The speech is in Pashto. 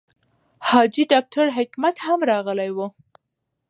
حاجي ډاکټر حکمت هم راغلی و.